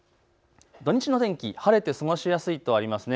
土日の天気、晴れて過ごしやすいとあります。